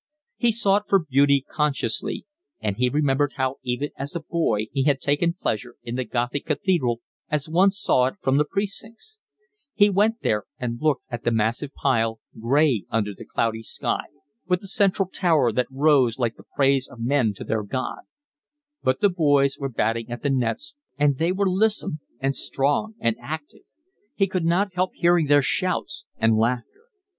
He sought for beauty consciously, and he remembered how even as a boy he had taken pleasure in the Gothic cathedral as one saw it from the precincts; he went there and looked at the massive pile, gray under the cloudy sky, with the central tower that rose like the praise of men to their God; but the boys were batting at the nets, and they were lissom and strong and active; he could not help hearing their shouts and laughter.